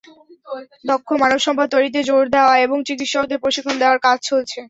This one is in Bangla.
দক্ষ মানবসম্পদ তৈরিতে জোর দেওয়া এবং চিকিৎসকদের প্রশিক্ষণ দেওয়ার কাজ চলছে।